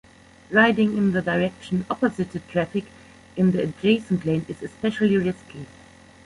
Riding in the direction opposite to traffic in the adjacent lane is especially risky.